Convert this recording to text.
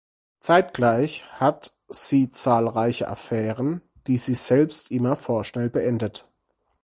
Zeitgleich hat sie zahlreiche Affären, die sie selber immer vorschnell beendet.